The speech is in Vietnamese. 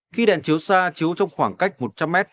khi đèn chiếu xa chiếu trong khoảng cách một trăm linh m